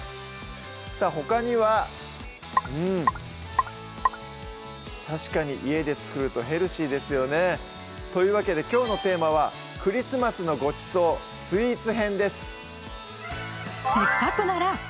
さぁほかにはうん確かに家で作るとヘルシーですよねというわけできょうのテーマは「クリスマスのごちそうスイーツ編」です